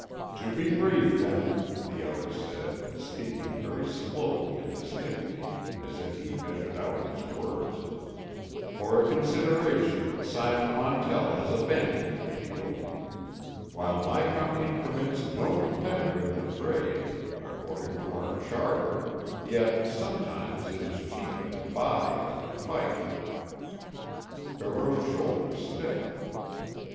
"To be brief, then," the other said, speaking very slowly and distinctly, as if he measured out his words, "for a consideration Simon Montell has abandoned the field. While my Company permits no competitor in the trade, according to our charter, yet sometimes it is cheaper to buy than to fight." Barreau's shoulders stiffened.